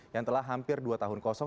yang telah hampir dua tahun kosong